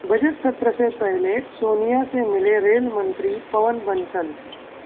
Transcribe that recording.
budget सत्र से पहले सोनिया से मिले रेल मंत्री पवन बंसल